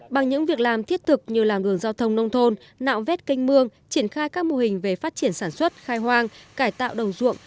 bằng những việc làm thiết thực như là ngừng giao thông nông thôn nạo vét canh mương triển khai các mô hình về phát triển sản xuất khai hoang cải tạo đồng ruộng